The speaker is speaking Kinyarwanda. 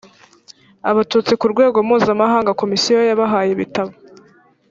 abatutsi ku rwego mpuzamahanga komisiyo yabahaye ibitabo